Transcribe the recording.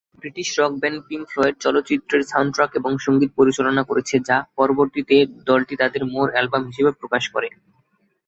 British rock band Pink Floyd চলচ্চিত্রের soundtrack এবং সঙ্গীত পরিচালনা করেছে, যা পরবর্তীতে দলটি তাদের "মোর" অ্যালবাম হিসেবে প্রকাশ করে।